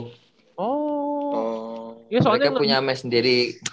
mereka punya mesh sendiri